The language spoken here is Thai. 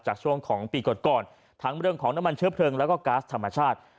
ช่วงของปีก่อนก่อนทั้งเรื่องของน้ำมันเชื้อเพลิงแล้วก็ก๊าซธรรมชาติ